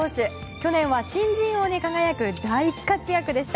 去年は新人王に輝く大活躍でした。